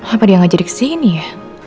apa dia gak jadi ke sini ya